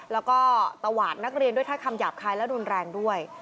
แล้วก็ตวาดนักเรียนด้วยถ้อยคำหยาบคายและรุนแรงด้วย